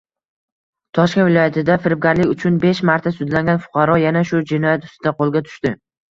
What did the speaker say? Toshkent viloyatida firibgarlik uchunbeshmarta sudlangan fuqaro yana shu jinoyat ustida qo‘lga tushdi